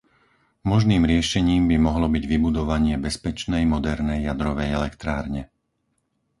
Možným riešením by mohlo byť vybudovanie bezpečnej modernej jadrovej elektrárne.